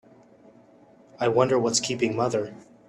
I wonder what's keeping mother?